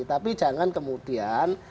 tapi jangan kemudian